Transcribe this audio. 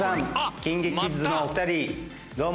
ＫｉｎＫｉＫｉｄｓのお二人どうも。